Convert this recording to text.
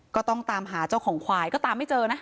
ก็ต้องตามหาเจ้าของควายก็ตามไม่เจอนะ